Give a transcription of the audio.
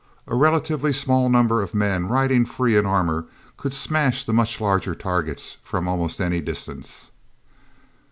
A relatively small number of men, riding free in armor, could smash the much larger targets from almost any distance.